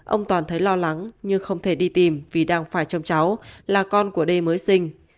ông toàn thấy lo lắng nhưng không thể đi tìm vì đang phải trông cháu là con của đê mới sinh